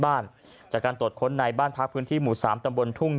บ้านจากการตรวจค้นในบ้านพักพื้นที่หมู่สามตำบลทุ่ง